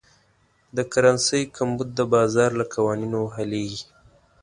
د کرنسۍ کمبود د بازار له قوانینو حلېږي.